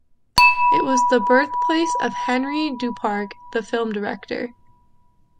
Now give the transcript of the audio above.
It was the birthplace of Henri Duparc, the film director.